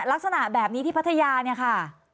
ลักษณะแบบนี้ที่พัทยาเนี่ยค่ะ